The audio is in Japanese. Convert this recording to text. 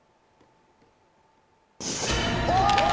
お！